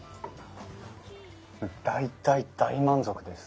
大大大満足です。